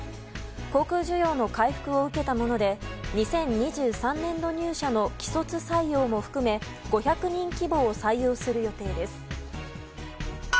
航空需要の回復を受けたもので２０２３年度入社の既卒採用も含め５００人規模を採用する予定です。